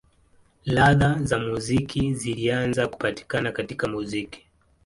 Ladha za muziki zilianza kupatikana katika muziki.